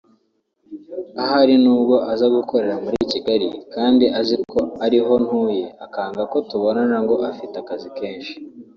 Hari nubwo aza gukorera muri Kigali kandi azi ko ariho ntuye akanga ko tubonana ngo afite akazi kenshi